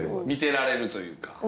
見てられるというか。